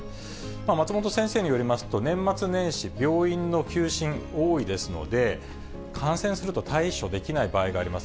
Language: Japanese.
松本先生によりますと、年末年始、病院の休診、多いですので、感染すると対処できない場合があります。